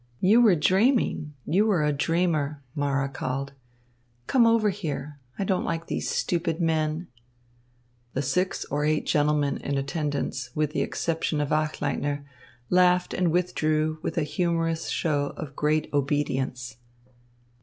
"You were dreaming; you are a dreamer," Mara called. "Come over here. I don't like these stupid men." The six or eight gentlemen in attendance, with the exception of Achleitner, laughed and withdrew with a humorous show of great obedience.